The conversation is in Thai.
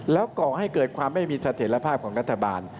แล้วก่อให้เกิดความไม่มีเสถียรภาพของรัฐบาล